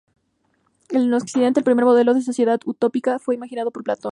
En Occidente, el primer modelo de sociedad utópica fue imaginado por Platón.